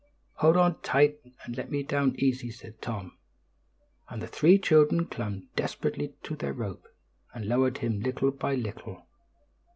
"Hold on tight, and let me down easy," said Tom, and the three children clung desperately to their rope, and lowered him little by little.